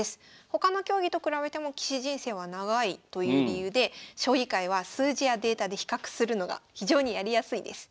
他の競技と比べても棋士人生は長いという理由で将棋界は数字やデータで比較するのが非常にやりやすいです。